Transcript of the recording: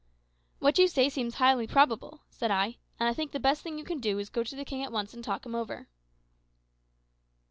"What you say seems highly probable," said I; "and I think the best thing you can do is to go to the king at once and talk him over."